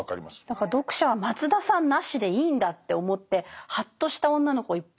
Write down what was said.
だから読者は松田さんなしでいいんだって思ってハッとした女の子いっぱいいると思います。